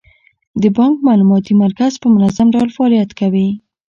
د بانک معلوماتي مرکز په منظم ډول فعالیت کوي.